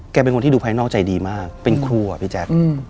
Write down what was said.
เป็นคนที่ดูภายนอกใจดีมากเป็นครูอ่ะพี่แจ๊ค